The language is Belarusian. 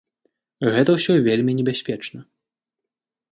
Гэта ўсё вельмі небяспечна.